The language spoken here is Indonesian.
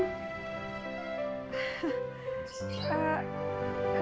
duduk bang silakan